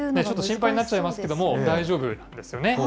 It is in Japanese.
ちょっと心配になってしまいますけれども、大丈夫なんですね。